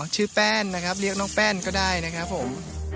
แป้นนะครับเรียกน้องแป้นก็ได้นะครับผม